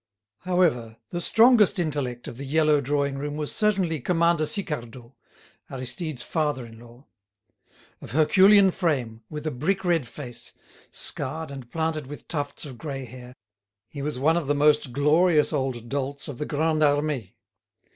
However, the strongest intellect of the yellow drawing room was certainly Commander Sicardot, Aristide's father in law. Of Herculean frame, with a brick red face, scarred and planted with tufts of grey hair, he was one of the most glorious old dolts of the Grande Armée.